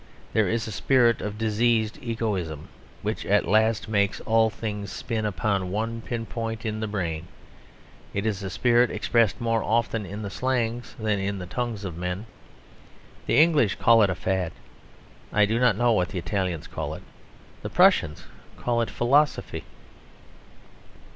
There is a spirit of diseased egoism, which at last makes all things spin upon one pin point in the brain. It is a spirit expressed more often in the slangs than in the tongues of men. The English call it a fad. I do not know what the Italians call it; the Prussians call it philosophy.